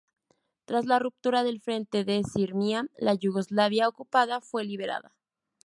Tras la ruptura del frente de Sirmia, la Yugoslavia ocupada fue liberada.